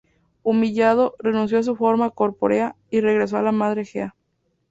Humillado, renunció a su forma corpórea y regresó a la madre Gea.